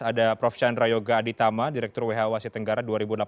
ada prof chandra yoga aditama direktur who asia tenggara dua ribu delapan belas dua ribu dua puluh